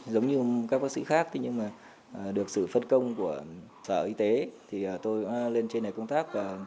giống như các bác sĩ khác nhưng mà được sự phân công của sở y tế thì tôi lên trên này công tác